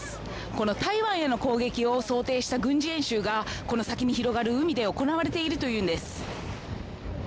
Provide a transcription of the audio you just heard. この台湾への攻撃を想定した軍事演習が、この先に広がる海で行われているというんです。